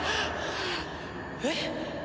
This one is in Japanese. えっ？